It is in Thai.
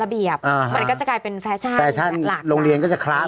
ระเบียบอ่าฮะมันก็จะกลายเป็นแฟชั่นแฟชั่นหลักละโรงเรียนก็จะคล้า